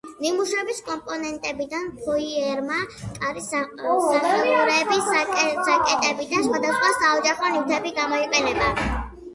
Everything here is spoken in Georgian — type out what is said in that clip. ნიმუშების კომპონენტებად ფოიერმა კარის სახელურები, საკეტები და სხვადასხვა საოჯახო ნივთები გამოიყენა.